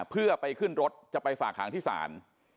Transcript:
เพื่อไปขึ้นรถจะไปฝากหางที่ศาล